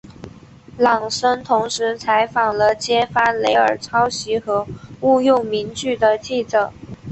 朗森同时采访了揭发雷尔抄袭和误用名句的记者。